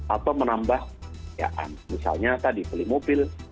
atau menambah ya misalnya tadi beli mobil